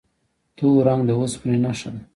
تور رنګ د اوسپنې نښه ده.